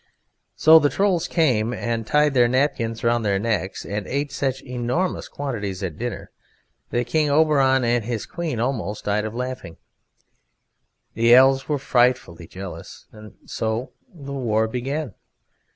So the Trolls came and tied their napkins round their necks, and ate such enormous quantities at dinner that King Oberon and his Queen almost died of laughing. The Elves were frightfully jealous, and so the war began.